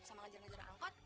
sama ngejar ngajar angkot